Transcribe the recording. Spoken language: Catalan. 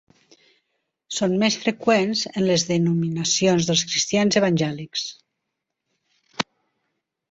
Són més freqüents en les denominacions dels cristians evangèlics.